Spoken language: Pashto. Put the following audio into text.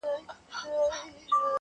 خداى دي نه كړي د قام بېره په رگونو؛